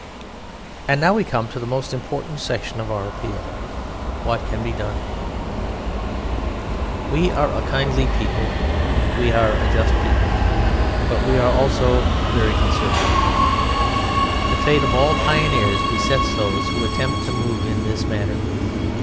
And now we come to the most important section of our appeal. What can be done? We are a kindly people and we are a just people, but we are also a very conservative people. The fate of all pioneers besets those who attempt to move in this matter.